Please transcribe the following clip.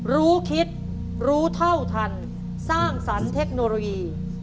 รู้คิดรู้เท่าทันสร้างสรรค์เทคโนโลยี